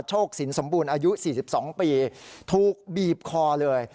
โชคสินสมบูรณ์อายุสี่สิบสองปีถูกบีบคอเลย